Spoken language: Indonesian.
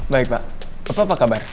baik pak apa kabar